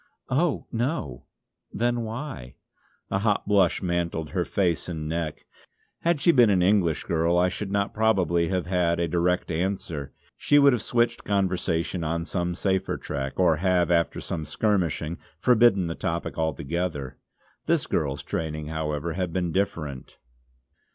"Oh no!" "Then why?" A hot blush mantled her face and neck. Had she been an English girl I should not probably have had a direct answer; she would have switched conversation on some safer track, or have, after some skirmishing, forbidden the topic altogether. This girl's training, however, had been different.